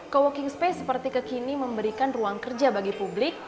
co working space seperti kekini memberikan ruang kerja bagi publik